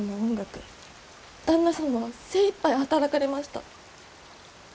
旦那様は精いっぱい働かれました。